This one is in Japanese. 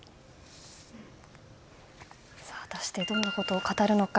果たして、どんなことを語るのか。